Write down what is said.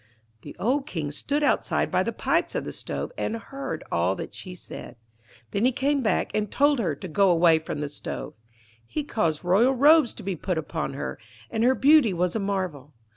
The old King stood outside by the pipes of the stove, and heard all that she said. Then he came back, and told her to go away from the stove. He caused royal robes to be put upon her, and her beauty was a marvel.